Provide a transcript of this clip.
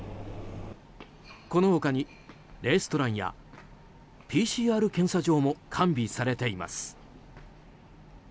この他にレストランやＰＣＲ検査場も完備されています。